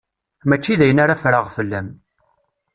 Mačči d ayen ara ffreɣ fell-am.